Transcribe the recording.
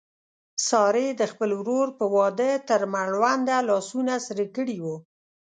سارې د خپل ورور په واده تر مړونده لاسونه سره کړي و.